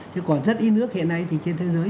thế còn rất ít nước hiện nay thì trên thế giới